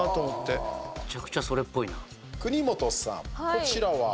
こちらは？